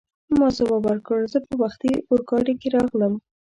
ما ځواب ورکړ: زه په وختي اورګاډي کې راغلم.